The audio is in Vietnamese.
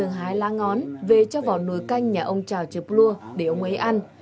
lần thứ hai thì ra ngón về cho vào nồi canh nhà ông chảo trợp lua để ông ấy ăn